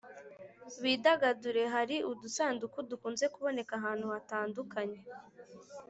bidagadure Hari udusanduku dukunze kuboneka ahantu hatandukanye